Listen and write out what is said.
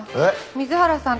水原さん